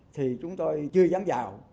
thì chúng tôi chưa dám vào